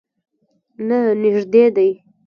نه، نژدې دی